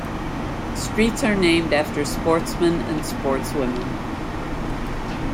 Streets are named after sportsmen and sportswomen.